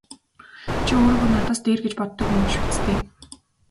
Чи өөрийгөө надаас дээр гэж боддог юм биш биз дээ!